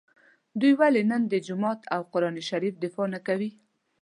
دوی ولي نن د جومات او قران شریف دفاع نکوي